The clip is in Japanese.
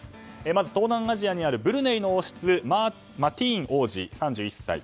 まず、東南アジアにあるブルネイ王室マティーン王子、３１歳。